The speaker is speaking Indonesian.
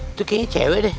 itu kayaknya cewek deh